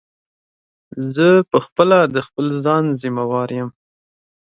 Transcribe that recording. زه په خپله د خپل ځان ضیموار یم.